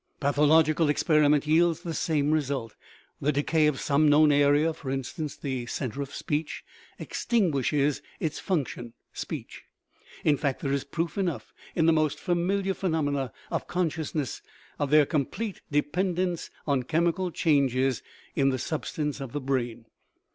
Pathological experiment yields the same result; the decay of some known area (for instance, the centre of speech) extinguishes its function (speech). In fact, there is proof enough in the most familiar phenomena of consciousness of their complete dependence on chem ical changes in the substance of the brain.